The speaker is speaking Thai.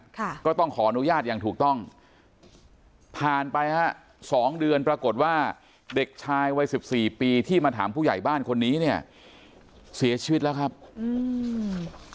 ค่ะก็ต้องขออนุญาตอย่างถูกต้องผ่านไปฮะสองเดือนปรากฏว่าเด็กชายวัยสิบสี่ปีที่มาถามผู้ใหญ่บ้านคนนี้เนี่ยเสียชีวิตแล้วครับอืม